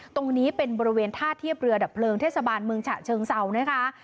ตรงนี้เป็นบริเวณท่าเทียบเรือดับเพลิงเทศบาลเมืองฉะเชิงเศร้านะคะ